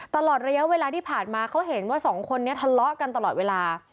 ตลอดระยะเวลาที่ผ่านมาเขาเห็นว่าสองคนนี้ทะเลาะกันตลอดเวลา